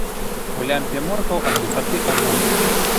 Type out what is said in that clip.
У лямпе моргаў ад духаты агонь.